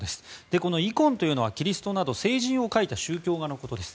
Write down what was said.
このイコンというのはキリストなど聖人を描いた宗教画のことです。